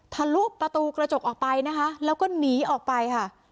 ทะลุประตูกระจกออกไปนะคะแล้วก็หนีออกไปค่ะ